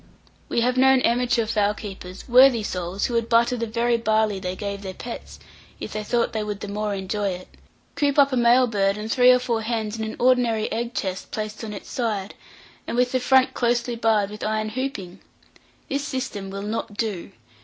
We have known amateur fowl keepers worthy souls, who would butter the very barley they gave their pets, if they thought they would the more enjoy it coop up a male bird and three or four hens in an ordinary egg chest placed on its side, and with the front closely barred with iron hooping! This system will not do.